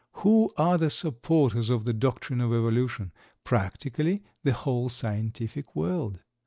Who are the supporters of the doctrine of Evolution? Practically the whole scientific world.